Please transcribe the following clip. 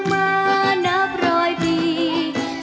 ลาลาลาลาลาลาลาอิง่าดูหมอเตอร์เลย์ดูหมอ